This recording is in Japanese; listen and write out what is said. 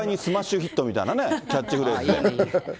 国会にスマッシュヒットみたいなキャッチフレーズで。